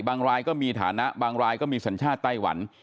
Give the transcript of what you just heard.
รายก็มีฐานะบางรายก็มีสัญชาติไต้หวัน